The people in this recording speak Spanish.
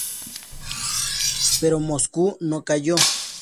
Pero Moscú no cayó.